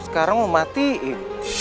sekarang mau matiin